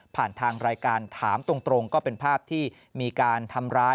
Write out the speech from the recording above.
ผ่านทางรายการถามตรงก็เป็นภาพที่มีการทำร้าย